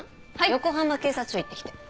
横浜警察署行ってきて。